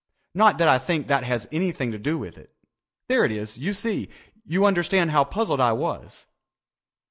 "Not that I think that has anything to do with it. There it is, you see. You understand how puzzled I was.